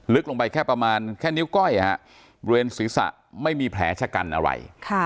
ลงไปแค่ประมาณแค่นิ้วก้อยบริเวณศีรษะไม่มีแผลชะกันอะไร